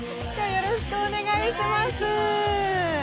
よろしくお願いします。